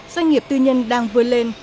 doanh nghiệp tư nhân đang vươn lên